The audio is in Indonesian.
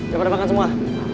geber geber makan semua